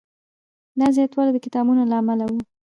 دا زیاتوالی د کتابونو له امله و.